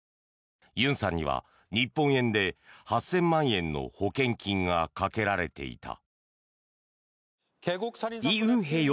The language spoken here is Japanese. ユンさんには日本円で８０００万円の保険金がかけられていた。